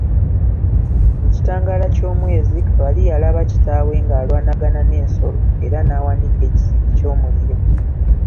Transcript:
Mu kitangaala ky'omwezi, Kabali yalaba kitaawe ng'alwanagana n'ensolo era n'awanika ekisiki ky'omuliro.